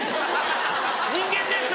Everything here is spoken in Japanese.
人間です！